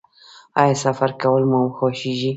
ایا سفر کول مو خوښیږي؟